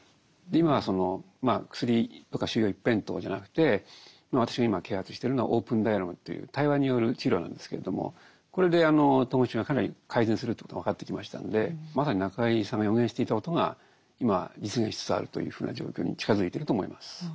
今は薬とか収容一辺倒じゃなくて私が今啓発してるのは「オープンダイアローグ」という対話による治療なんですけれどもこれで統合失調症がかなり改善するということが分かってきましたんでまさに中井さんが予言していたことが今実現しつつあるというふうな状況に近づいてると思います。